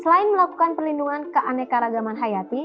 selain melakukan perlindungan keanekaragaman hayati